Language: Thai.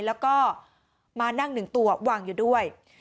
แล้วก็มานั่งหนึ่งตัววางอยู่ด้วย